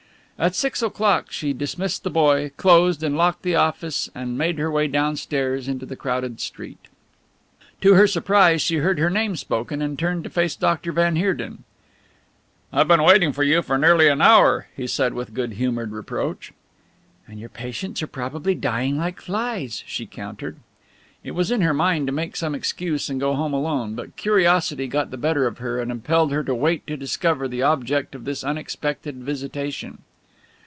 At six o'clock she dismissed the boy, closed and locked the office, and made her way downstairs into the crowded street. To her surprise she heard her name spoken, and turned to face Dr. van Heerden. "I have been waiting for you for nearly an hour," he said with good humoured reproach. "And your patients are probably dying like flies," she countered. It was in her mind to make some excuse and go home alone, but curiosity got the better of her and impelled her to wait to discover the object of this unexpected visitation.